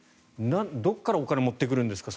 どこからお金を持ってくるんですか